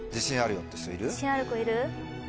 自信ある子いる？